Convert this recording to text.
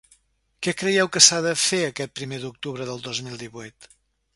Què creieu que s’ha de fer aquest primer d’octubre del dos mil divuit?